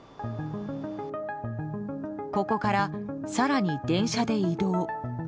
ここから、更に電車で移動。